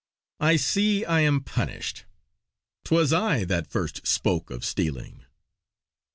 "I see I am punished! 'Twas I that first spoke of stealing.